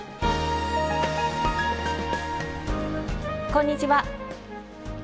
こんにちは